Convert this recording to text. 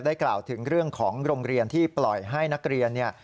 กล่าวถึงเรื่องของโรงเรียนที่ปล่อยให้นักเรียนเนี่ย